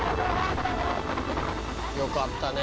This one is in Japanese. よかったね